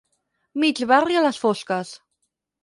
Mig barri a les fosques.